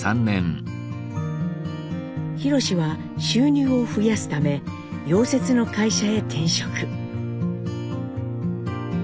弘史は収入を増やすため溶接の会社へ転職。